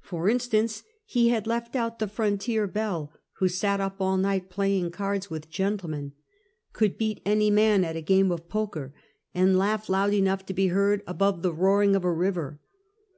For instance, he had left out the fron tier belle who sat up all night playing cards with gen BoEDEK Ruffianism. 183 tlemen; could beat any man at a game of poker, and lauffb loud enoiio; li to be beard above tbe roarino of a river.